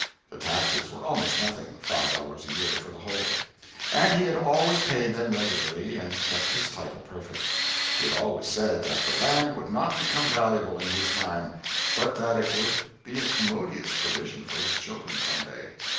The taxes were almost nothing (five dollars a year for the whole), and he had always paid them regularly and kept his title perfect. He had always said that the land would not become valuable in his time, but that it would be a commodious provision for his children some day.